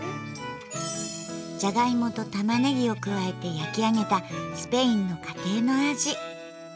ジャガイモとタマネギを加えて焼き上げたスペインの家庭の味。